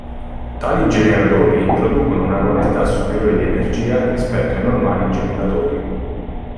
Tali Generatori producono una quantità superiore di energia rispetto ai normali Generatori.